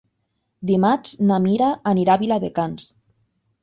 Dimarts na Mira anirà a Viladecans.